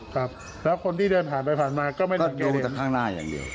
ครับแล้วคนที่เดินผ่านไปผ่านมาก็ไม่ได้โยนจากข้างหน้าอย่างเดียว